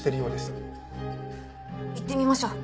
行ってみましょう。